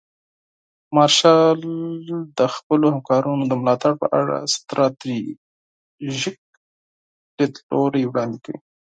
مارشال د خپلو همکارانو د ملاتړ په اړه ستراتیژیک لیدلوري وړاندې کوي.